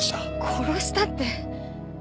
殺したって。